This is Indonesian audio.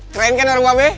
keren kan orang mbak be